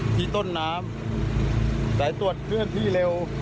ที่ต้นน้ำสายตรวจเคลื่อนที่เร็ว